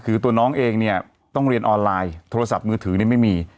คือตัวน้องเองเนี่ยต้องเรียนออนไลน์โทรศัพท์มือถือนี่ไม่มี